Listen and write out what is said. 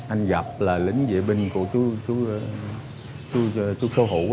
anh gặp là lính dễ binh của chú sâu hữu